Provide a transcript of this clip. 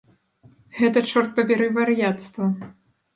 Гэта, чорт пабяры, вар'яцтва.